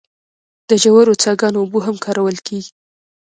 د ژورو څاګانو اوبه هم کارول کیږي.